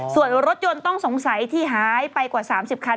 ส่วนรถยนต์ต้องสงสัยที่หายไปกว่า๓๐คัน